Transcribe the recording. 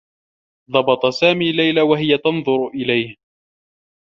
ضبط سامي ليلى و هي تنظر إليه.